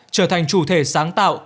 trở thành chủ thể sáng tạo